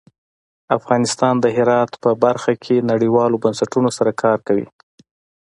افغانستان د هرات په برخه کې نړیوالو بنسټونو سره کار کوي.